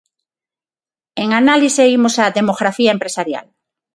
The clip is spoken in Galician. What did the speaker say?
En Análise imos á 'Demografía empresarial'.